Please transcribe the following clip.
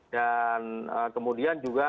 dan kemudian juga